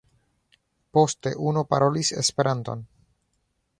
Poste unu parolis Esperanton.